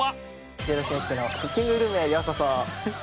道枝駿佑のクッキングルームへようこそ。